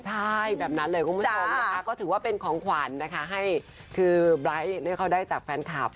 ใช่แบบนั้นเลยคุณผู้ชมนะคะก็ถือว่าเป็นของขวัญนะคะให้คือไบร์ทเขาได้จากแฟนคลับ